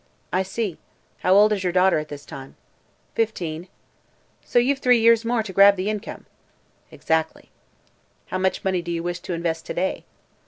"I see. How old is your daughter at this time?" "Fifteen." "So you've three years more to grab the income." "Exactly." "How much money do you wish to invest to day?"